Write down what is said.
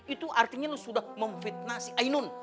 itu artinya lu sudah memfitnah si ayah nun